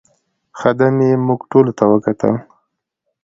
خدمې موږ ټولو ته وکتل.